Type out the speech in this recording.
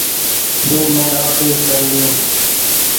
او مينٚ آڦي ڪر لئيو